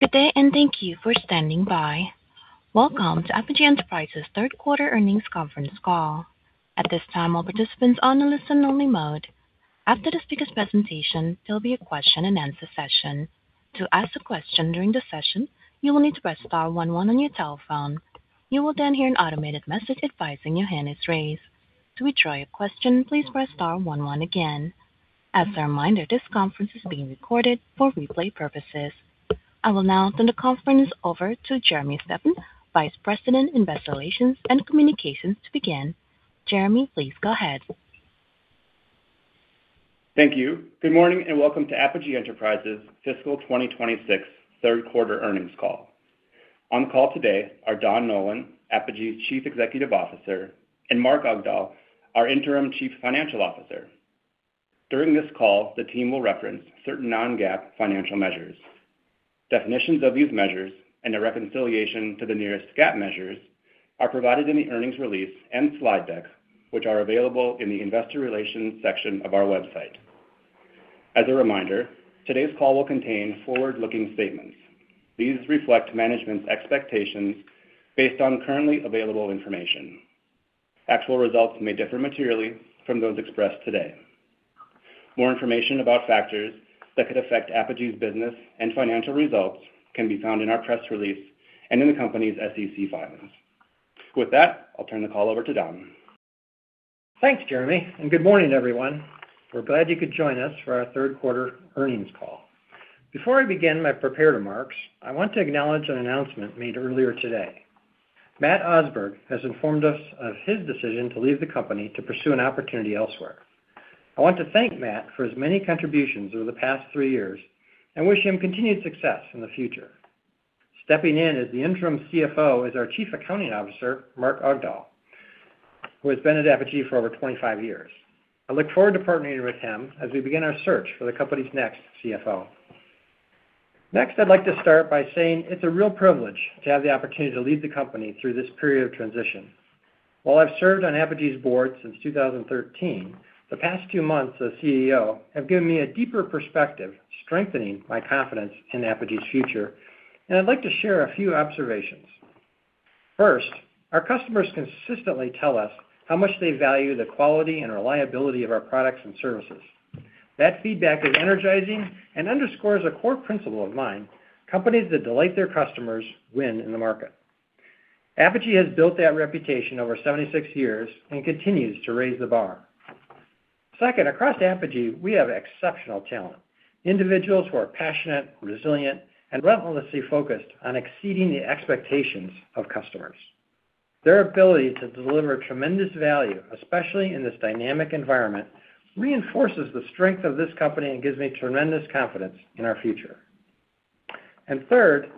Good day, and thank you for standing by. Welcome to Apogee Enterprises' third quarter earnings conference call. At this time, all participants are on a listen-only mode. After the speaker's presentation, there will be a question-and-answer session. To ask a question during the session, you will need to press star one one on your telephone. You will then hear an automated message advising your hand is raised. To withdraw your question, please press star one one again. As a reminder, this conference is being recorded for replay purposes. I will now turn the conference over to Jeremy Steffan, Vice President of Investor Relations and Corporate Communications, to begin. Jeremy, please go ahead. Thank you. Good morning and welcome to Apogee Enterprises' fiscal 2026 third quarter earnings call. On the call today are Don Nolan, Apogee's Chief Executive Officer, and Mark Augdahl, our Interim Chief Financial Officer. During this call, the team will reference certain non-GAAP financial measures. Definitions of these measures and a reconciliation to the nearest GAAP measures are provided in the earnings release and slide deck, which are available in the Investor Relations section of our website. As a reminder, today's call will contain forward-looking statements. These reflect management's expectations based on currently available information. Actual results may differ materially from those expressed today. More information about factors that could affect Apogee's business and financial results can be found in our press release and in the company's SEC filings. With that, I'll turn the call over to Don. Thanks, Jeremy, and good morning, everyone. We're glad you could join us for our third quarter earnings call. Before I begin my prepared remarks, I want to acknowledge an announcement made earlier today. Matt Osberg has informed us of his decision to leave the company to pursue an opportunity elsewhere. I want to thank Matt for his many contributions over the past three years and wish him continued success in the future. Stepping in as the interim CFO is our Chief Accounting Officer, Mark Augdahl, who has been at Apogee for over 25 years. I look forward to partnering with him as we begin our search for the company's next CFO. Next, I'd like to start by saying it's a real privilege to have the opportunity to lead the company through this period of transition. While I've served on Apogee's board since 2013, the past two months as CEO have given me a deeper perspective, strengthening my confidence in Apogee's future, and I'd like to share a few observations. First, our customers consistently tell us how much they value the quality and reliability of our products and services. That feedback is energizing and underscores a core principle of mine: companies that delight their customers win in the market. Apogee has built that reputation over 76 years and continues to raise the bar. Second, across Apogee, we have exceptional talent: individuals who are passionate, resilient, and relentlessly focused on exceeding the expectations of customers. Their ability to deliver tremendous value, especially in this dynamic environment, reinforces the strength of this company and gives me tremendous confidence in our future, and third,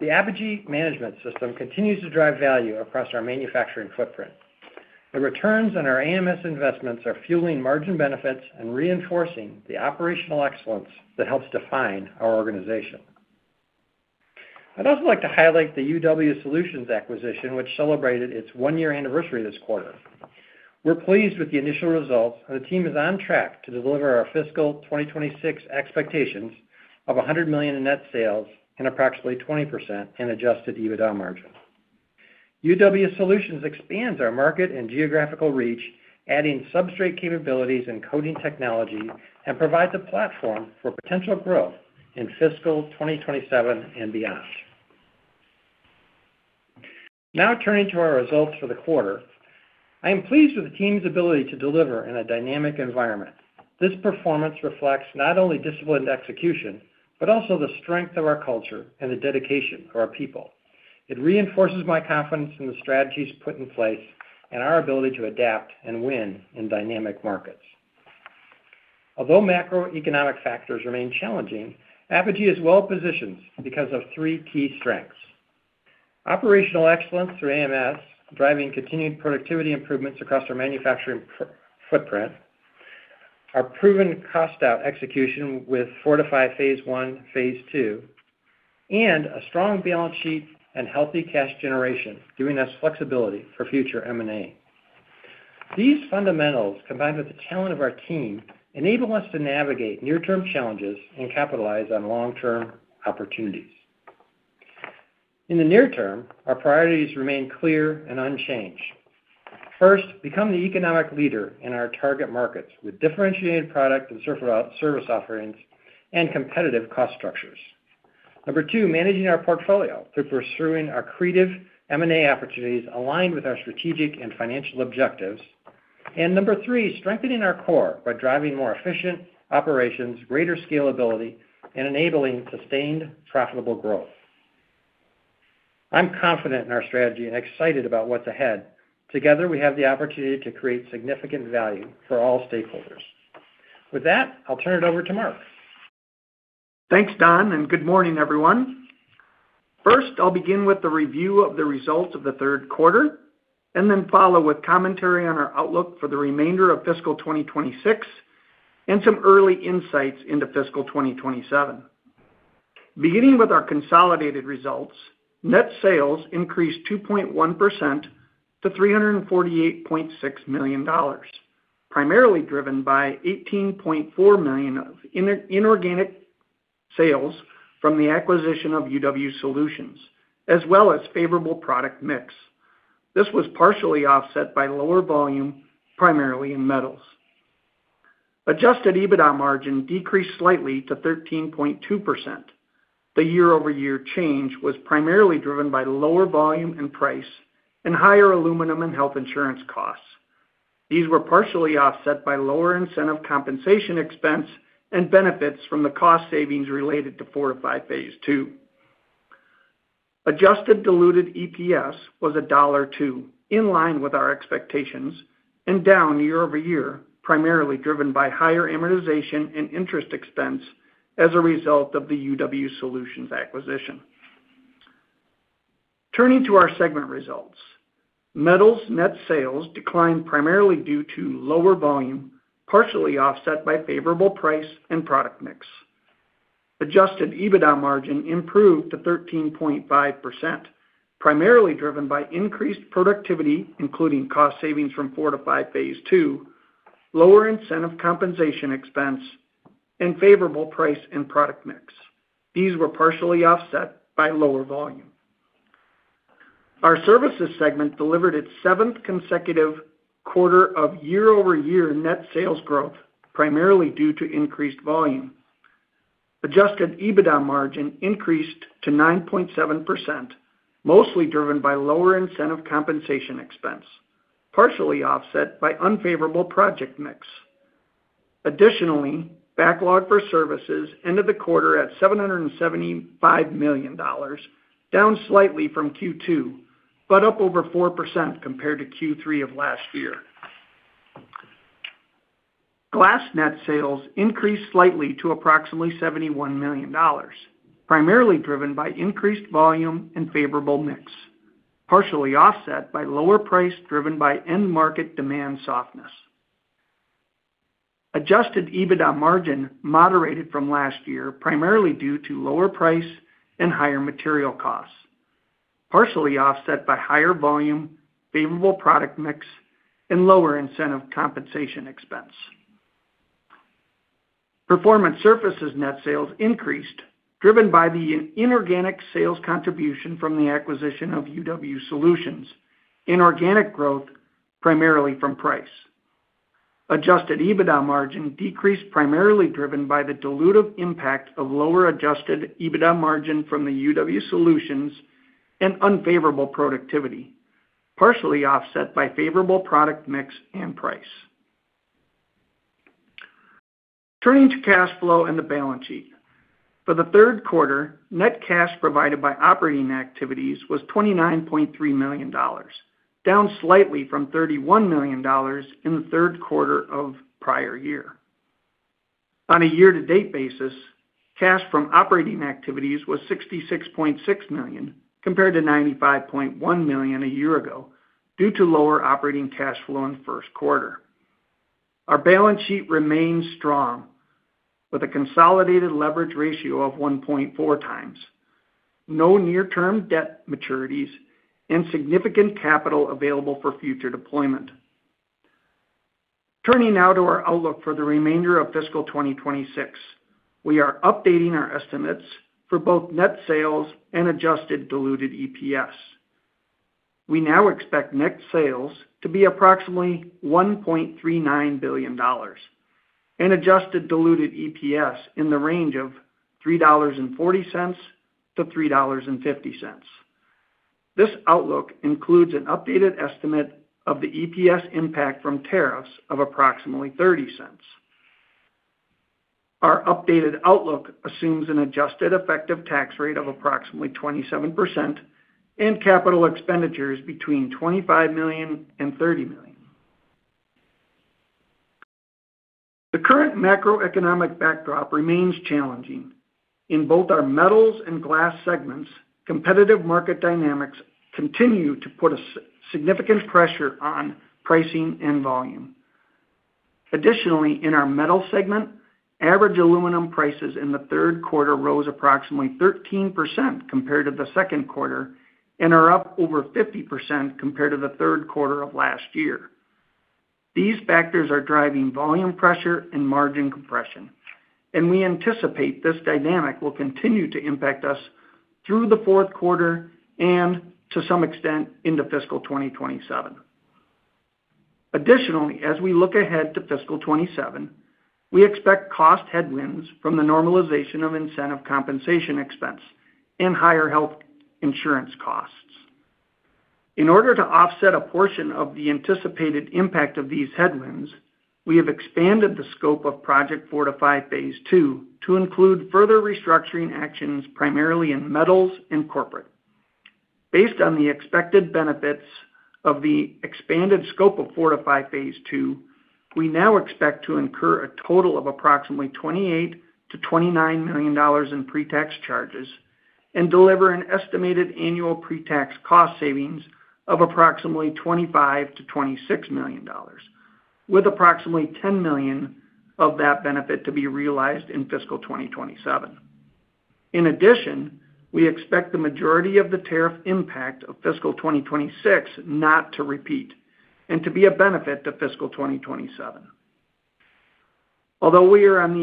the Apogee Management System continues to drive value across our manufacturing footprint. The returns on our AMS investments are fueling margin benefits and reinforcing the operational excellence that helps define our organization. I'd also like to highlight the UW Solutions acquisition, which celebrated its one-year anniversary this quarter. We're pleased with the initial results, and the team is on track to deliver our fiscal 2026 expectations of $100 million in net sales and approximately 20% adjusted EBITDA margin. UW Solutions expands our market and geographical reach, adding substrate capabilities and coating technology, and provides a platform for potential growth in fiscal 2027 and beyond. Now, turning to our results for the quarter, I am pleased with the team's ability to deliver in a dynamic environment. This performance reflects not only discipline and execution but also the strength of our culture and the dedication of our people. It reinforces my confidence in the strategies put in place and our ability to adapt and win in dynamic markets. Although macroeconomic factors remain challenging, Apogee is well-positioned because of three key strengths: operational excellence through AMS, driving continued productivity improvements across our manufacturing footprint, our proven cost-out execution with Fortify Phase 1, Phase 1, and a strong balance sheet and healthy cash generation, giving us flexibility for future M&A. These fundamentals, combined with the talent of our team, enable us to navigate near-term challenges and capitalize on long-term opportunities. In the near term, our priorities remain clear and unchanged. First, become the economic leader in our target markets with differentiated product and service offerings and competitive cost structures. Number two, managing our portfolio through pursuing our creative M&A opportunities aligned with our strategic and financial objectives. And number three, strengthening our core by driving more efficient operations, greater scalability, and enabling sustained profitable growth. I'm confident in our strategy and excited about what's ahead. Together, we have the opportunity to create significant value for all stakeholders. With that, I'll turn it over to Mark. Thanks, Don, and good morning, everyone. First, I'll begin with the review of the results of the third quarter, and then follow with commentary on our outlook for the remainder of fiscal 2026 and some early insights into fiscal 2027. Beginning with our consolidated results, net sales increased 2.1% to $348.6 million, primarily driven by $18.4 million in inorganic sales from the acquisition of UW Solutions, as well as favorable product mix. This was partially offset by lower volume, primarily in metals. Adjusted EBITDA margin decreased slightly to 13.2%. The year-over-year change was primarily driven by lower volume and price and higher aluminum and health insurance costs. These were partially offset by lower incentive compensation expense and benefits from the cost savings related to Fortify Phase 2. Adjusted diluted EPS was $1.02, in line with our expectations, and down year-over-year, primarily driven by higher amortization and interest expense as a result of the UW Solutions acquisition. Turning to our segment results, metals net sales declined primarily due to lower volume, partially offset by favorable price and product mix. Adjusted EBITDA margin improved to 13.5%, primarily driven by increased productivity, including cost savings from Fortify Phase Two, lower incentive compensation expense, and favorable price and product mix. These were partially offset by lower volume. Our services segment delivered its seventh consecutive quarter of year-over-year net sales growth, primarily due to increased volume. Adjusted EBITDA margin increased to 9.7%, mostly driven by lower incentive compensation expense, partially offset by unfavorable project mix. Additionally, backlog for services ended the quarter at $775 million, down slightly from Q2, but up over 4% compared to Q3 of last year. Glass net sales increased slightly to approximately $71 million, primarily driven by increased volume and favorable mix, partially offset by lower price driven by end-market demand softness. Adjusted EBITDA margin moderated from last year, primarily due to lower price and higher material costs, partially offset by higher volume, favorable product mix, and lower incentive compensation expense. Performance Services net sales increased, driven by the inorganic sales contribution from the acquisition of UW Solutions and organic growth, primarily from price. Adjusted EBITDA margin decreased, primarily driven by the dilutive impact of lower adjusted EBITDA margin from the UW Solutions and unfavorable productivity, partially offset by favorable product mix and price. Turning to cash flow and the balance sheet. For the Q3, net cash provided by operating activities was $29.3 million, down slightly from $31 million in the third quarter of prior year. On a year-to-date basis, cash from operating activities was $66.6 million, compared to $95.1 million a year ago due to lower operating cash flow in the Q1. Our balance sheet remains strong, with a consolidated leverage ratio of 1.4x, no near-term debt maturities, and significant capital available for future deployment. Turning now to our outlook for the remainder of fiscal 2026, we are updating our estimates for both net sales and adjusted diluted EPS. We now expect net sales to be approximately $1.39 billion and adjusted diluted EPS in the range of $3.40-$3.50. This outlook includes an updated estimate of the EPS impact from tariffs of approximately $0.30. Our updated outlook assumes an adjusted effective tax rate of approximately 27% and capital expenditures between $25 million and $30 million. The current macroeconomic backdrop remains challenging. In both our Metals and Glass segments, competitive market dynamics continue to put a significant pressure on pricing and volume. Additionally, in our Metals segment, average aluminum prices in the third quarter rose approximately 13% compared to the second quarter and are up over 50% compared to the third quarter of last year. These factors are driving volume pressure and margin compression, and we anticipate this dynamic will continue to impact us through the fourth quarter and, to some extent, into fiscal 2027. Additionally, as we look ahead to fiscal 2027, we expect cost headwinds from the normalization of incentive compensation expense and higher health insurance costs. In order to offset a portion of the anticipated impact of these headwinds, we have expanded the scope of Project Fortify Phase 2 to include further restructuring actions, primarily in Metals and corporate. Based on the expected benefits of the expanded scope of Fortify Phase 2, we now expect to incur a total of approximately $28-$29 million in pre-tax charges and deliver an estimated annual pre-tax cost savings of approximately $25-$26 million, with approximately $10 million of that benefit to be realized in fiscal 2027. In addition, we expect the majority of the tariff impact of fiscal 2026 not to repeat and to be a benefit to fiscal 2027. Although we are in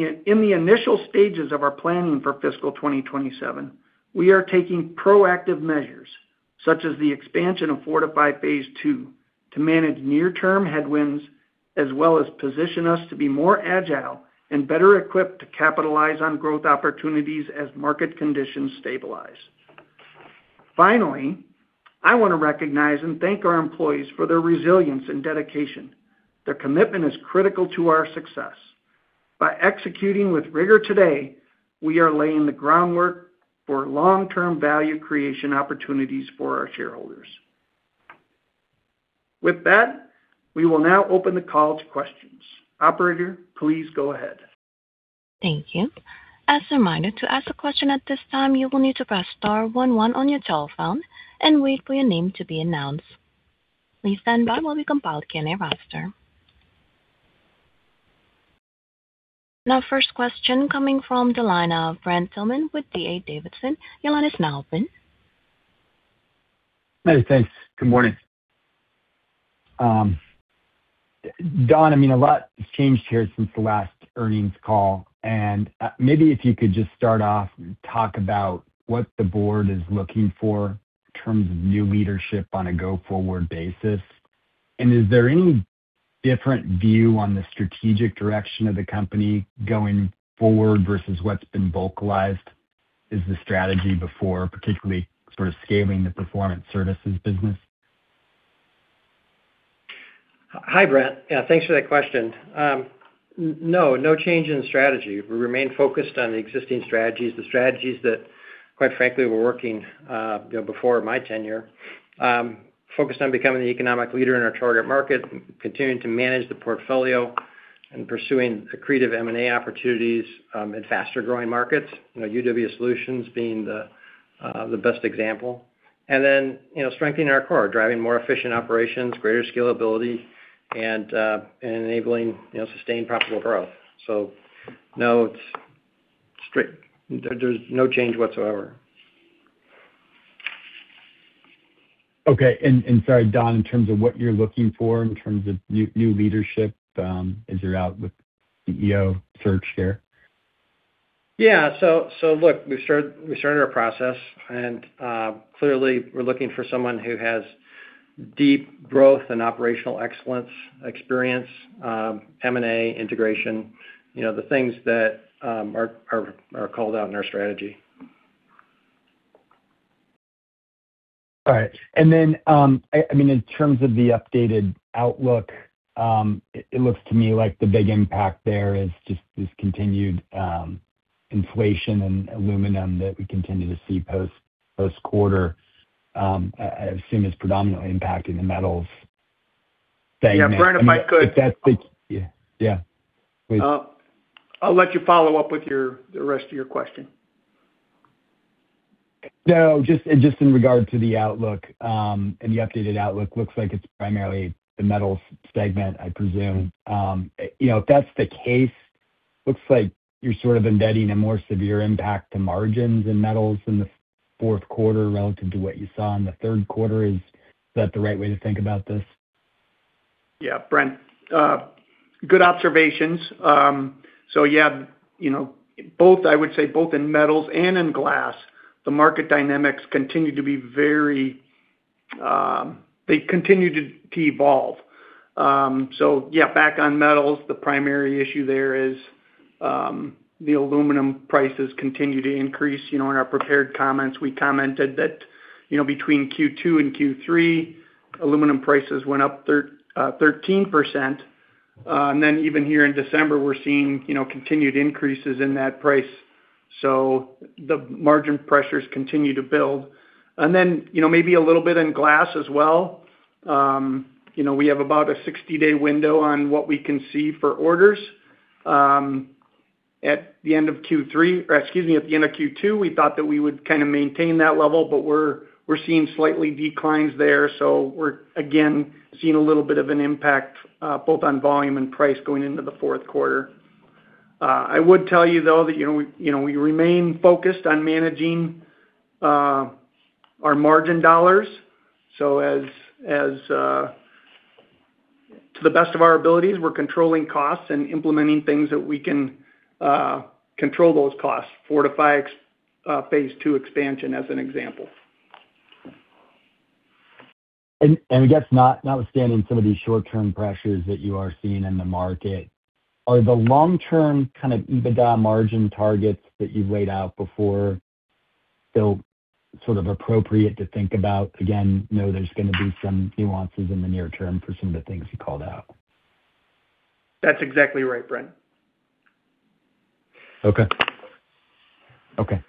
the initial stages of our planning for fiscal 2027, we are taking proactive measures, such as the expansion of Fortify Phase 2, to manage near-term headwinds as well as position us to be more agile and better equipped to capitalize on growth opportunities as market conditions stabilize. Finally, I want to recognize and thank our employees for their resilience and dedication. Their commitment is critical to our success. By executing with rigor today, we are laying the groundwork for long-term value creation opportunities for our shareholders. With that, we will now open the call to questions. Operator, please go ahead. Thank you. As a reminder, to ask a question at this time, you will need to press star 11 on your telephone and wait for your name to be announced. Please stand by while we compile the Q&A roster. Now, first question coming from Brent Thielman with D.A. Davidson. Your line is now open. Thanks. Good morning. Don, I mean, a lot has changed here since the last earnings call. And maybe if you could just start off and talk about what the board is looking for in terms of new leadership on a go-forward basis. And is there any different view on the strategic direction of the company going forward versus what's been vocalized as the strategy before, particularly sort of scaling the performance services business? Hi, Brent. Yeah, thanks for that question. No, no change in strategy. We remain focused on the existing strategies, the strategies that, quite frankly, were working before my tenure, focused on becoming the economic leader in our target market, continuing to manage the portfolio, and pursuing accretive M&A opportunities in faster-growing markets, UW Solutions being the best example. And then strengthening our core, driving more efficient operations, greater scalability, and enabling sustained profitable growth. So no, there's no change whatsoever. Okay. And sorry, Don, in terms of what you're looking for in terms of new leadership as you're out with the CEO search here? Yeah. So look, we started our process, and clearly, we're looking for someone who has deep growth and operational excellence experience, M&A integration, the things that are called out in our strategy. All right. And then, I mean, in terms of the updated outlook, it looks to me like the big impact there is just this continued inflation in aluminum that we continue to see post-quarter, I assume, is predominantly impacting the metals. Yeah. Brent, if I could. Yeah, please. I'll let you follow up with the rest of your question. No, just in regard to the outlook and the updated outlook, it looks like it's primarily the Metals segment, I presume. If that's the case, it looks like you're sort of embedding a more severe impact to margins in Metals in the fourth quarter relative to what you saw in the third quarter. Is that the right way to think about this? Yeah, Brent. Good observations. So yeah, I would say both in Metals and in Glass, the market dynamics continue to be very. They continue to evolve. So yeah, back on Metals, the primary issue there is the aluminum prices continue to increase. In our prepared comments, we commented that between Q2 and Q3, aluminum prices went up 13%. And then even here in December, we're seeing continued increases in that price. So the margin pressures continue to build. And then maybe a little bit in Glass as well. We have about a 60-day window on what we can see for orders at the end of Q3, or excuse me, at the end of Q2. We thought that we would kind of maintain that level, but we're seeing slightly declines there. So we're, again, seeing a little bit of an impact both on volume and price going into the fourth quarter. I would tell you, though, that we remain focused on managing our margin dollars, so to the best of our abilities, we're controlling costs and implementing things that we can control those costs, Fortify Phase 2 expansion, as an example. I guess, notwithstanding some of these short-term pressures that you are seeing in the market, are the long-term kind of EBITDA margin targets that you've laid out before still sort of appropriate to think about? Again, you know there's going to be some nuances in the near term for some of the things you called out. That's exactly right, Brent. Okay.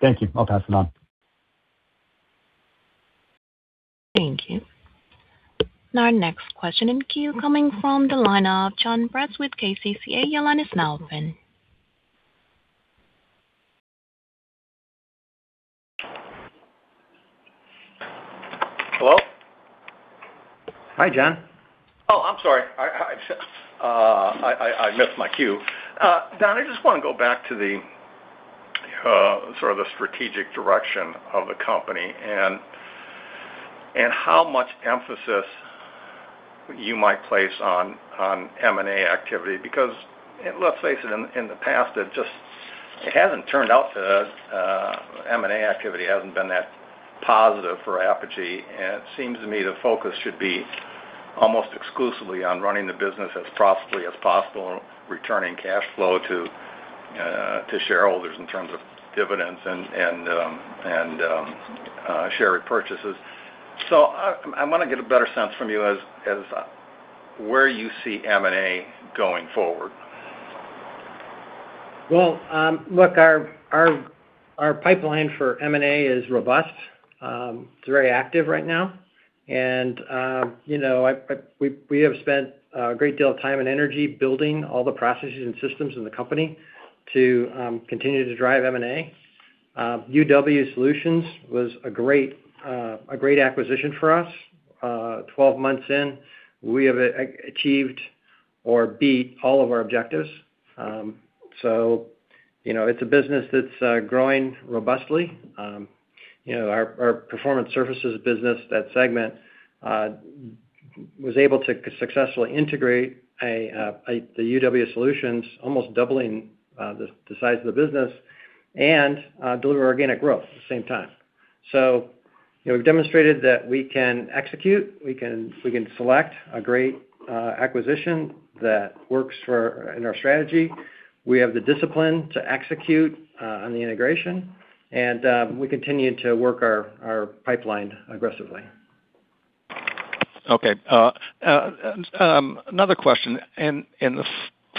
Thank you. I'll pass it on. Thank you. Now, our next question in queue coming from the line of Jon Braatz with KCCA. Your line is now open. Hello? Hi, Jon. Oh, I'm sorry. I missed my cue. Don, I just want to go back to sort of the strategic direction of the company and how much emphasis you might place on M&A activity. Because let's face it, in the past, it hasn't turned out to. M&A activity hasn't been that positive for Apogee. And it seems to me the focus should be almost exclusively on running the business as profitably as possible and returning cash flow to shareholders in terms of dividends and share repurchases. So I want to get a better sense from you as to where you see M&A going forward. Look, our pipeline for M&A is robust. It's very active right now. We have spent a great deal of time and energy building all the processes and systems in the company to continue to drive M&A. UW Solutions was a great acquisition for us. 12 months in, we have achieved or beat all of our objectives. It's a business that's growing robustly. Our Performance Services business, that segment, was able to successfully integrate the UW Solutions, almost doubling the size of the business, and deliver organic growth at the same time. We've demonstrated that we can execute. We can select a great acquisition that works in our strategy. We have the discipline to execute on the integration. We continue to work our pipeline aggressively. Okay. Another question. In the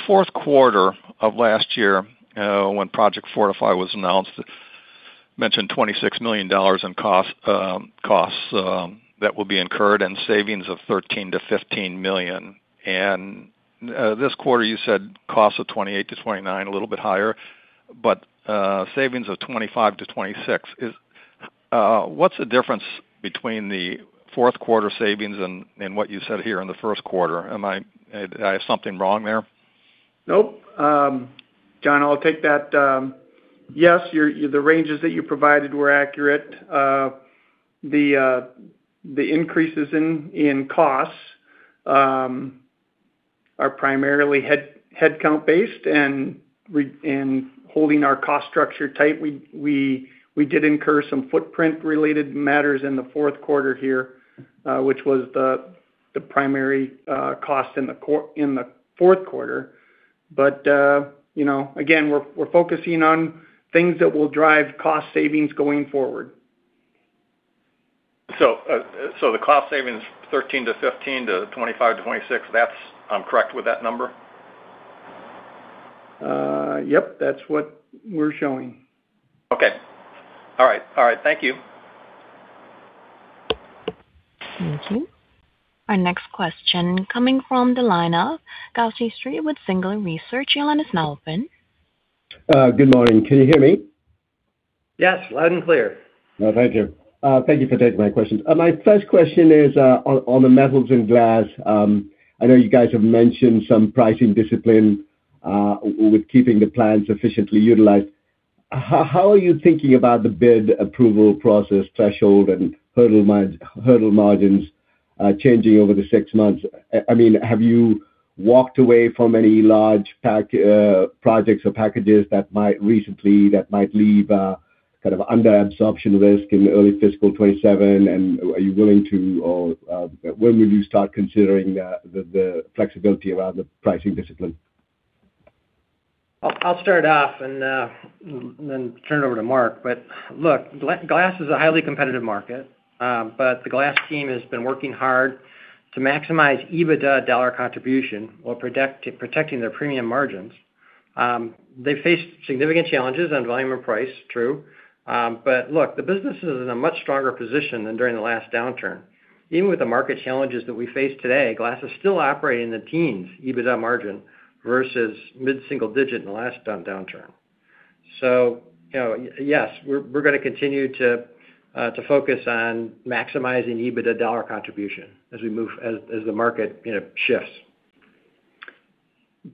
fourth quarter of last year, when Project Fortify was announced, you mentioned $26 million in costs that will be incurred and savings of $13-$15 million. And this quarter, you said costs of $28-$29 million, a little bit higher, but savings of $25-$26 million. What's the difference between the fourth quarter savings and what you said here in the first quarter? Am I missing something there? Nope. Jon, I'll take that. Yes, the ranges that you provided were accurate. The increases in costs are primarily headcount-based, and holding our cost structure tight, we did incur some footprint-related matters in the fourth quarter here, which was the primary cost in the fourth quarter, but again, we're focusing on things that will drive cost savings going forward. So the cost savings, $13-$15 to $25-$26, I'm correct with that number? Yep. That's what we're showing. Okay. All right. All right. Thank you. Thank you. Our next question coming from the line of Gownshihan Sriharan with Singular Research. Your line is now open. Good morning. Can you hear me? Yes. Loud and clear. Thank you. Thank you for taking my questions. My first question is on the metals and glass. I know you guys have mentioned some pricing discipline with keeping the plants efficiently utilized. How are you thinking about the bid approval process threshold and hurdle margins changing over the six months? I mean, have you walked away from any large projects or packages that might leave kind of under-absorption risk in early fiscal 2027? And are you willing to? When will you start considering the flexibility around the pricing discipline? I'll start off and then turn it over to Mark, but look, glass is a highly competitive market. But the glass team has been working hard to maximize EBITDA dollar contribution while protecting their premium margins. They've faced significant challenges on volume and price, true. But look, the business is in a much stronger position than during the last downturn. Even with the market challenges that we face today, glass is still operating in the teens EBITDA margin versus mid-single digit in the last downturn, so yes, we're going to continue to focus on maximizing EBITDA dollar contribution as the market shifts.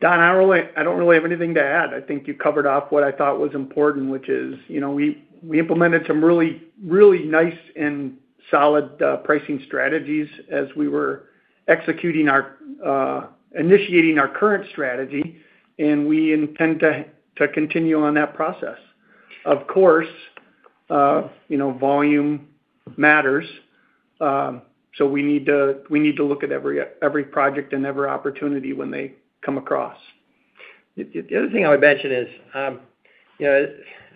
Don, I don't really have anything to add. I think you covered off what I thought was important, which is we implemented some really nice and solid pricing strategies as we were initiating our current strategy, and we intend to continue on that process. Of course, volume matters, so we need to look at every project and every opportunity when they come across. The other thing I would mention is,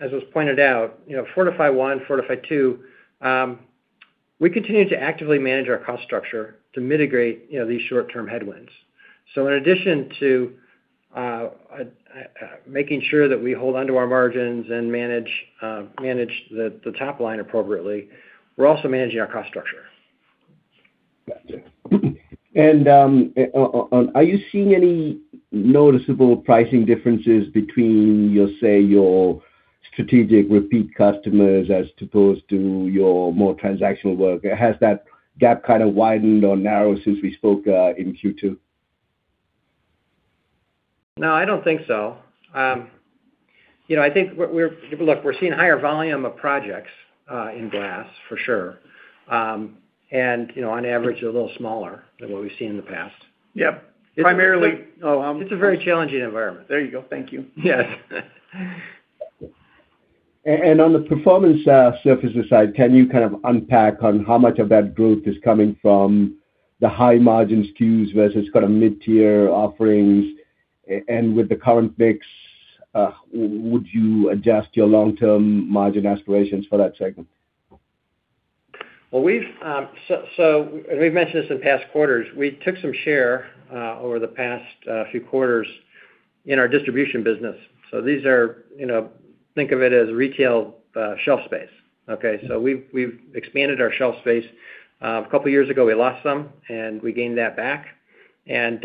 as was pointed out, Fortify Phase 1, Fortify Phase 2, we continue to actively manage our cost structure to mitigate these short-term headwinds. So in addition to making sure that we hold onto our margins and manage the top line appropriately, we're also managing our cost structure. Gotcha. And are you seeing any noticeable pricing differences between, say, your strategic repeat customers as opposed to your more transactional work? Has that gap kind of widened or narrowed since we spoke in Q2? No, I don't think so. I think, look, we're seeing higher volume of projects in glass, for sure. And on average, they're a little smaller than what we've seen in the past. Yep. Primarily. Oh, I'm. It's a very challenging environment. There you go. Thank you. Yes. On the Performance Services side, can you kind of unpack on how much of that growth is coming from the high-margin SKUs versus kind of mid-tier offerings? And with the current mix, would you adjust your long-term margin aspirations for that segment? So we've mentioned this in past quarters. We took some share over the past few quarters in our distribution business. So these are. Think of it as retail shelf space. Okay? So we've expanded our shelf space. A couple of years ago, we lost some, and we gained that back. And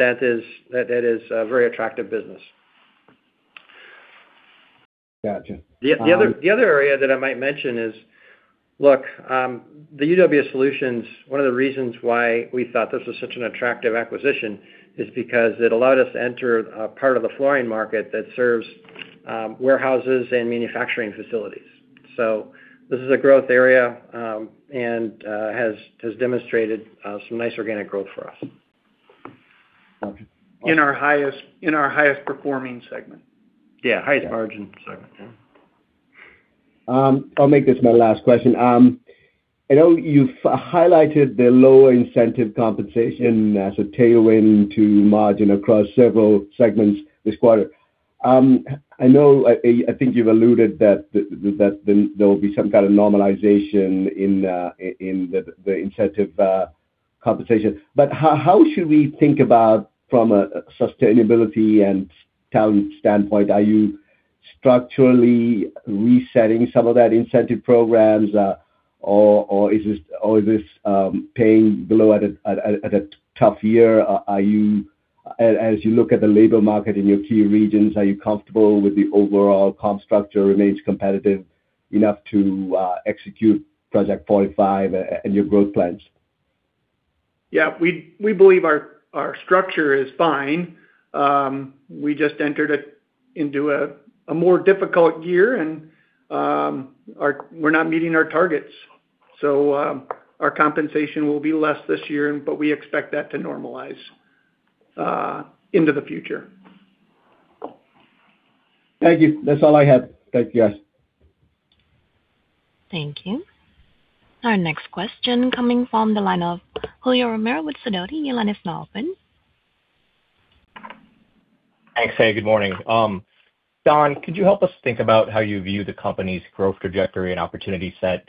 that is a very attractive business. Gotcha. The other area that I might mention is, look, the UW Solutions, one of the reasons why we thought this was such an attractive acquisition is because it allowed us to enter a part of the flooring market that serves warehouses and manufacturing facilities. So this is a growth area and has demonstrated some nice organic growth for us in our highest performing segment. Yeah. Highest margin segment. Yeah. I'll make this my last question. I know you've highlighted the lower incentive compensation as a tailwind to margin across several segments this quarter. I think you've alluded that there will be some kind of normalization in the incentive compensation. But how should we think about, from a sustainability and talent standpoint, are you structurally resetting some of that incentive programs, or is this paying below at a tough year? As you look at the labor market in your key regions, are you comfortable with the overall comp structure remains competitive enough to execute Project Fortify and your growth plans? Yeah. We believe our structure is fine. We just entered into a more difficult year, and we're not meeting our targets. So our compensation will be less this year, but we expect that to normalize into the future. Thank you. That's all I have. Thank you, guys. Thank you. Our next question coming from Julio Romero with Sidoti. Your line is now open. Thanks. Hey, good morning. Don, could you help us think about how you view the company's growth trajectory and opportunity set?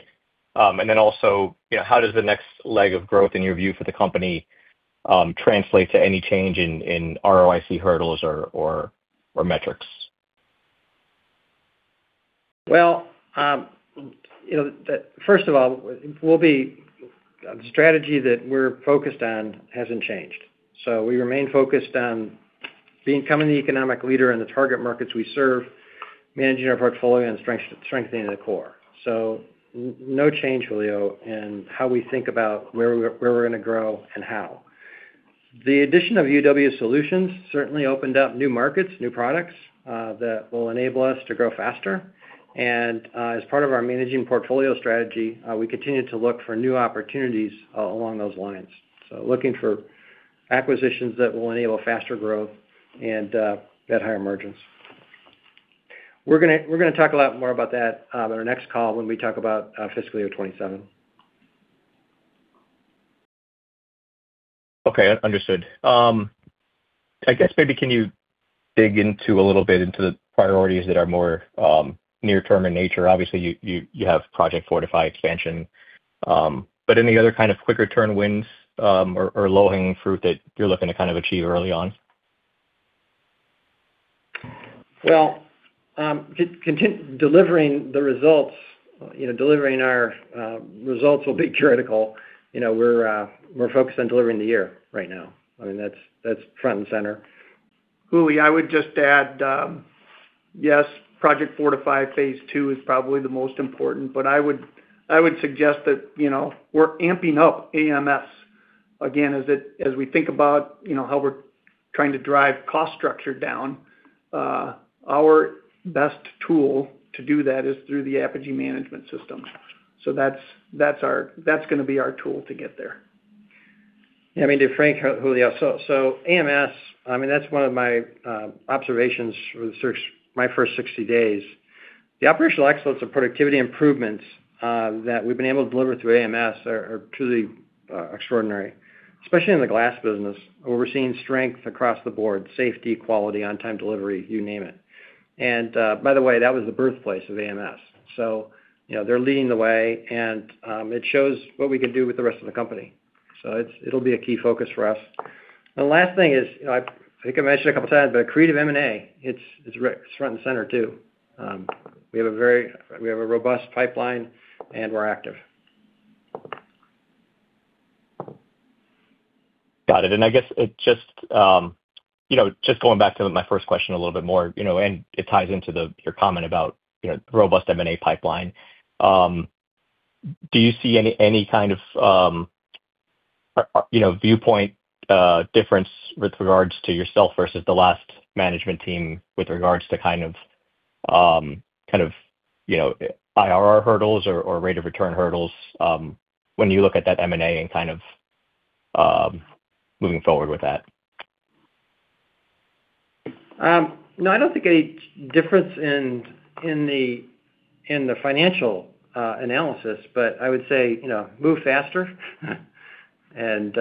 And then also, how does the next leg of growth, in your view, for the company translate to any change in ROIC hurdles or metrics? First of all, the strategy that we're focused on hasn't changed. We remain focused on becoming the economic leader in the target markets we serve, managing our portfolio, and strengthening the core. No change, Julio, in how we think about where we're going to grow and how. The addition of UW Solutions certainly opened up new markets, new products that will enable us to grow faster. As part of our managing portfolio strategy, we continue to look for new opportunities along those lines. Looking for acquisitions that will enable faster growth and at higher margins. We're going to talk a lot more about that on our next call when we talk about fiscal year 2027. Okay. Understood. I guess maybe can you dig into a little bit into the priorities that are more near-term in nature? Obviously, you have Project Fortify expansion. But any other kind of quicker turn wins or low-hanging fruit that you're looking to kind of achieve early on? Delivering the results, delivering our results will be critical. We're focused on delivering the year right now. I mean, that's front and center. Julia, I would just add, yes, Project Fortify Phase 2 is probably the most important. But I would suggest that we're amping up AMS again as we think about how we're trying to drive cost structure down. Our best tool to do that is through the Apogee Management System. So that's going to be our tool to get there. Yeah. I mean, to Frank, Julio, so AMS, I mean, that's one of my observations for my first 60 days. The operational excellence and productivity improvements that we've been able to deliver through AMS are truly extraordinary, especially in the glass business. We're seeing strength across the board: safety, quality, on-time delivery, you name it. And by the way, that was the birthplace of AMS. So they're leading the way, and it shows what we can do with the rest of the company. So it'll be a key focus for us. And the last thing is, I think I mentioned a couple of times, but creative M&A, it's front and center too. We have a robust pipeline, and we're active. Got it. And I guess just going back to my first question a little bit more, and it ties into your comment about robust M&A pipeline. Do you see any kind of viewpoint difference with regards to yourself versus the last management team with regards to kind of IRR hurdles or rate of return hurdles when you look at that M&A and kind of moving forward with that? No, I don't think any difference in the financial analysis. But I would say move faster. And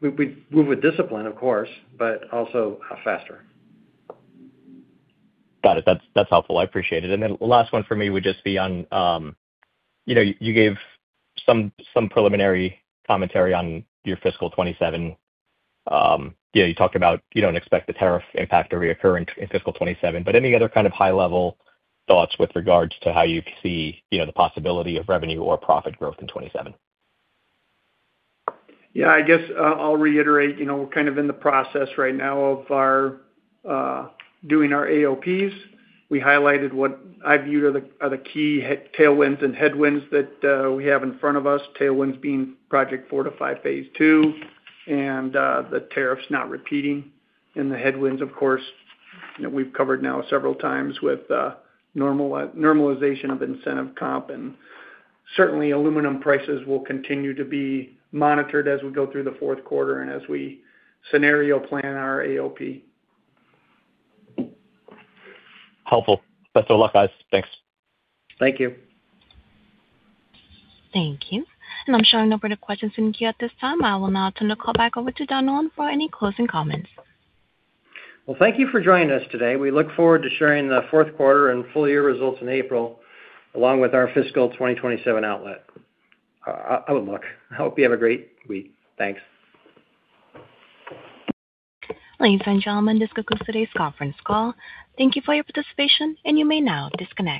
we move with discipline, of course, but also faster. Got it. That's helpful. I appreciate it. And then the last one for me would just be on you gave some preliminary commentary on your fiscal 2027. You talked about you don't expect the tariff impact to reoccur in fiscal 2027. But any other kind of high-level thoughts with regards to how you see the possibility of revenue or profit growth in 2027? Yeah. I guess I'll reiterate. We're kind of in the process right now of doing our AOPs. We highlighted what I viewed are the key tailwinds and headwinds that we have in front of us, tailwinds being Project Fortify Phase 2 and the tariffs not repeating. And the headwinds, of course, we've covered now several times with normalization of incentive comp. And certainly, aluminum prices will continue to be monitored as we go through the fourth quarter and as we scenario plan our AOP. Helpful. Best of luck, guys. Thanks. Thank you. Thank you. And I'm showing no further questions in queue at this time. I will now turn the call back over to Don Nolan for any closing comments. Thank you for joining us today. We look forward to sharing the fourth quarter and full-year results in April along with our fiscal 2027 outlook. I hope you have a great week. Thanks. Ladies and gentlemen, this concludes today's conference call. Thank you for your participation, and you may now disconnect.